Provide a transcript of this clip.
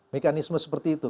mekanisme seperti itu